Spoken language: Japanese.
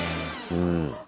うん。